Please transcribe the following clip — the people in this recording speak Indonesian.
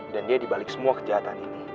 dan dia dibalik semua kejahatan ini